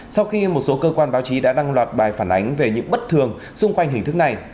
sau khi một số cơ quan báo chí đã đăng loạt bài phản ánh về những bất thường xung quanh hình thức này